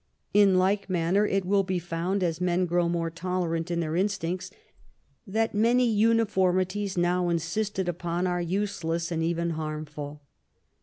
In like manner it will be found, as men grow more tolerant in their instincts, that many uniformities now insisted upon are useless and even harmful.